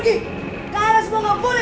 dia sedang mengganggu warga